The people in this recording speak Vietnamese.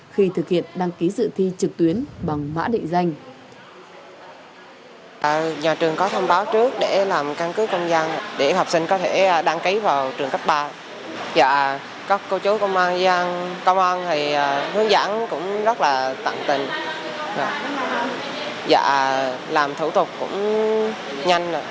khi thực hiện đăng ký dự thi trực tuyến bằng mã định danh